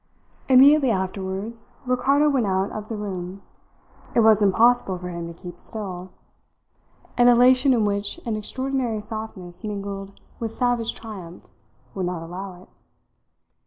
Immediately afterwards Ricardo went out of the room. It was impossible for him to keep still. An elation in which an extraordinary softness mingled with savage triumph would not allow it.